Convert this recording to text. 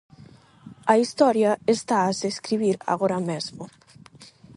A Historia está a se escribir agora mesmo.